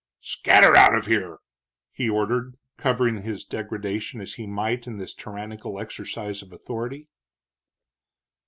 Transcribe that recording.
"Scatter out of here!" he ordered, covering his degradation as he might in this tyrannical exercise of authority.